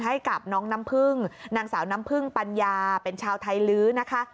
ให้กับน้องน้ำพึ่งนางสาวน้ำพึ่งปัญญาเป็นชาวไทยลื้อนะคะ